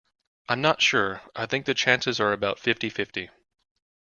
I'm not sure; I think the chances are about fifty-fifty